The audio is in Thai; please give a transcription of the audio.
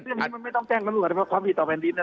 เรื่องนี้มันไม่ต้องแจ้งตำรวจเพราะความผิดต่อแผ่นดิน